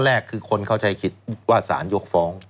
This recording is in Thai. แรกคือคนเข้าใจคิดว่าสารยกฟ้อง